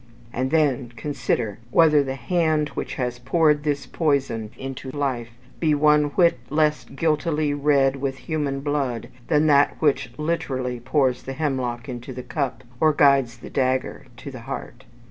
And then consider whether the hand which has poured this poison into all the springs of life be one whit less guiltily red with human blood than that which literally pours the hemlock into the cup, or guides the dagger to the heart?